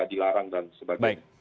dilarang dan sebagainya